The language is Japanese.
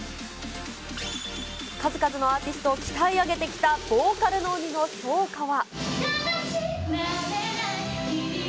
数々のアーティストを鍛え上げてきたボーカルの鬼の評価は。